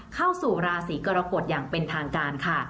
เข้าสู่ราศีกรกฎอย่างเป็นทางการค่ะ